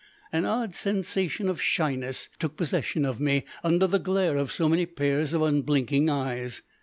An odd sensation of shyness took possession of me under the glare of so many pairs of unblinking eyes.